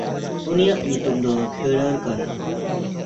ᱩᱱᱤᱭᱟᱜ ᱧᱩᱛᱩᱢ ᱫᱚ ᱠᱷᱤᱲᱟᱨ ᱠᱟᱱᱟ᱾